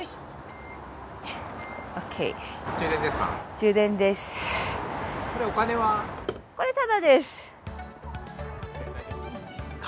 充電ですか？